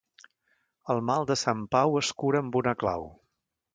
El mal de Sant Pau es cura amb una clau.